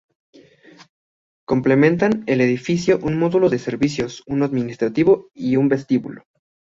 Complementan el edificio un módulo de servicios, uno administrativo y un vestíbulo.